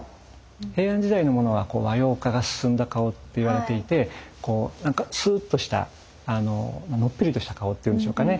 平安時代のものは和様化が進んだ顔っていわれていて何かスーッとしたのっぺりとした顔っていうんでしょうかね。